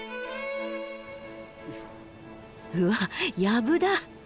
うわっやぶだ。